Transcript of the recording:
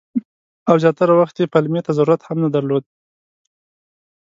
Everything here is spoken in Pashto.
او زیاتره وخت یې پلمې ته ضرورت هم نه درلود.